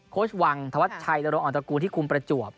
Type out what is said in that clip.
โค้ชวังทวัดชัยตะโรงออนตะกูที่คุมประจวบ